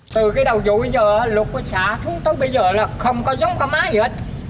từ cái đầu vụ bây giờ lúc có xạ tối bây giờ là không có giống có má gì hết